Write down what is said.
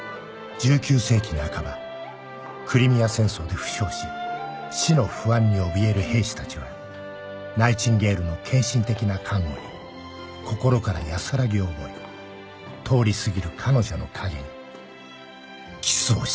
１９世紀半ばクリミア戦争で負傷し死の不安におびえる兵士たちはナイチンゲールの献身的な看護に心から安らぎを覚え通りすぎる彼女の影にキスをしたという